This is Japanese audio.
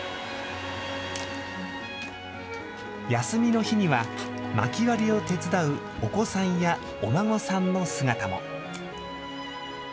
休みの日には、まき割りを手伝うお子さんやお孫さんの姿も。